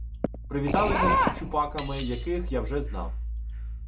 Привіталися з Чучупаками, яких я вже знав.